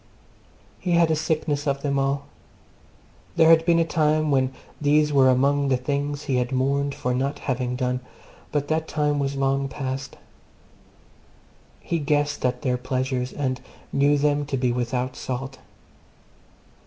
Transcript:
He had a sickness of them all. There had been a time when these were among the things he mourned for not having done, but that time was long past. He guessed at their pleasures, and knew them to be without salt.